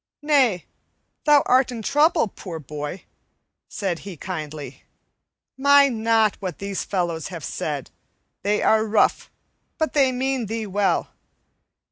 "Nay, thou art in trouble, poor boy!" said he kindly. "Mind not what these fellows have said. They are rough, but they mean thee well.